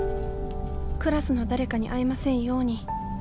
クラスの誰かに会いませんように。